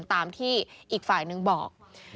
ตามที่อีกฝ่ายหนึ่งบอก